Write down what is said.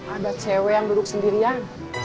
ada cewek yang duduk sendirian